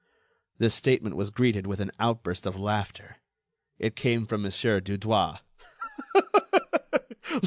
This statement was greeted with an outburst of laughter. It came from Mon. Dudouis.